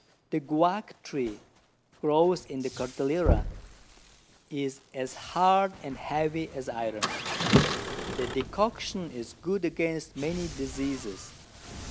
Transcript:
The Guyac Tree grows in the Cordillera, is as hard and heavy as Iron: The Decoction is good against many Diseases.